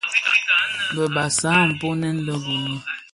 Bë Yambassa nkpoňèn le (Gunu),